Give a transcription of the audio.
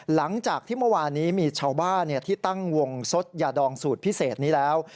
หลังจากที่เมื่อวานนี้มีชาวบ้านที่ตั้งวงสดยาดองสูตรพิเศษนี้แล้ว